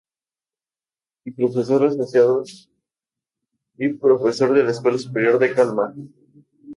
Y profesor asociado y profesor de la Escuela Superior de Kalmar